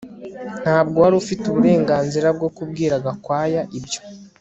Ntabwo wari ufite uburenganzira bwo kubwira Gakwaya ibyo